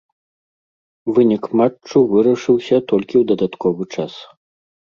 Вынік матчу вырашыўся толькі ў дадатковы час.